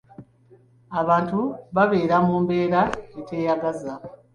Abantu babeera mu mbeera eteeyagaza.